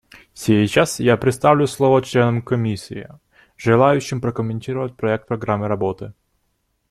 Сейчас я предоставлю слово членам Комиссии, желающим прокомментировать проект программы работы.